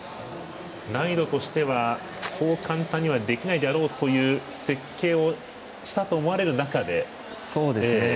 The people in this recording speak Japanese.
難易度としてはそう簡単にはできないであろうという設計をしたと思われる中で。